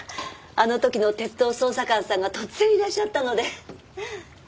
あの時の鉄道捜査官さんが突然いらっしゃったので。